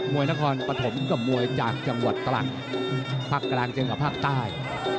วยนครปฐมกับมวยจากจังหวัดตรังภาคกลางเจอกับภาคใต้